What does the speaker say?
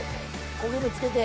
焦げ目つけて。